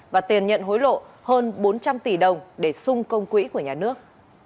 và tiền nhận hối lộ hơn bốn trăm linh tỷ đồng để xung công quỹ của nhà nước